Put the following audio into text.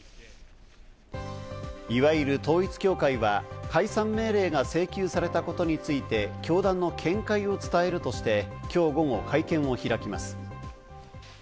いわゆる統一教会は解散命令が請求されたことについて、教団の見解を伝えるとして、きょう午後、会見を開きます。